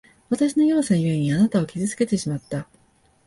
わたしの弱さゆえに、あなたを傷つけてしまった。